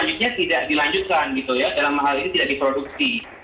dalam hal ini tidak diproduksi